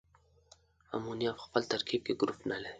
امونیا په خپل ترکیب کې ګروپ نلري.